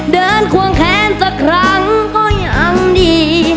ควงแขนสักครั้งก็ยังดี